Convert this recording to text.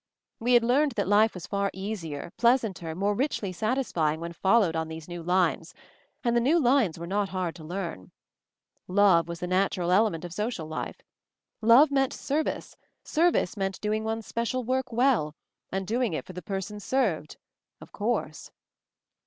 We had learned that life was far easier, pleasanter, more richly satisfying when followed on these new lines — and the new lines were not hard to learn. Love was the natural element of social life. Love meant service, service meant doing one's special work well, and doing it for the per sons served — of course